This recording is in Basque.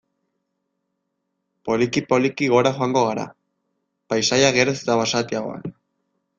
Poliki-poliki gora joango gara, paisaia geroz eta basatiagoan.